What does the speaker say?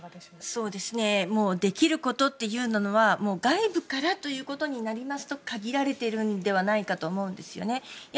できることというのは外部からということになりますと限られているのではないかと思うんですよね。